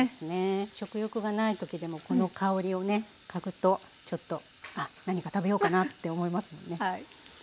食欲がない時でもこの香りをね嗅ぐとちょっとあっ何か食べようかなって思いますもんね。